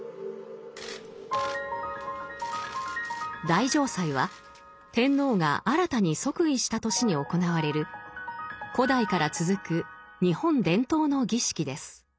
大嘗祭は天皇が新たに即位した年に行われる古代から続く日本伝統の儀式です。